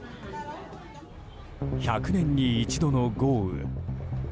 １００年に一度の豪雨。